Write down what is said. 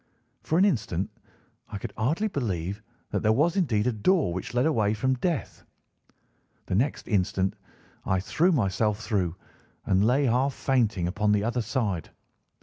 For an instant I could hardly believe that here was indeed a door which led away from death. The next instant I threw myself through, and lay half fainting upon the other side.